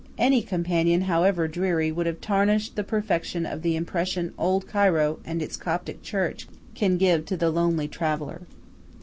Any companion, however dreary, would have tarnished the perfection of the impression Old Cairo and its Coptic church can give to the lonely traveller.